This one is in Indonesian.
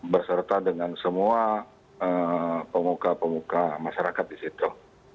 berserta dengan semua pemuka pemuka masyarakat di situ